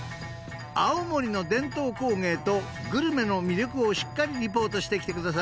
［青森の伝統工芸とグルメの魅力をしっかりリポートしてきてください］